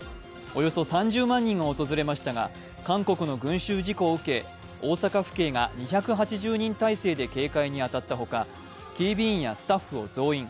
およそ３０万人が訪れましたが韓国の群集事故を受け大阪府警が２８０人態勢で警戒に当たったほか、警備員やスタッフを増員。